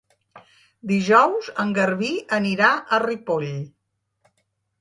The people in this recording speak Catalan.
Dijous en Garbí anirà a Ripoll.